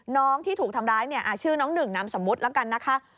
น้องที่ถูกทำร้ายเนี่ยชื่อน้องหนึ่งนามสมมุติแล้วกันนะคะ